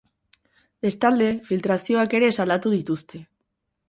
Bestalde, filtrazioak ere salatu dituzte.